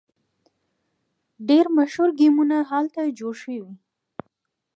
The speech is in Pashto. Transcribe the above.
ډیر مشهور ګیمونه هلته جوړ شوي.